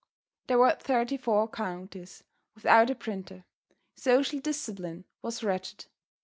There were thirty four counties without a printer. Social discipline was wretched.